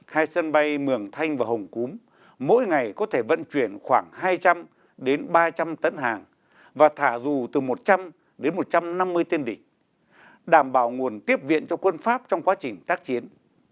hai sân bay mường thanh và hồng cúm mỗi ngày có thể vận chuyển khoảng hai trăm linh đến ba trăm linh tấn hàng và thả dù từ một trăm linh đến một trăm năm mươi tiên định đảm bảo nguồn tiếp viện cho quân pháp trong quá trình tác chiến